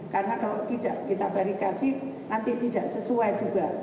karena kalau tidak kita verifikasi nanti tidak sesuai juga